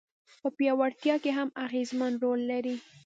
په پياوړتيا کي هم اغېزمن رول لري.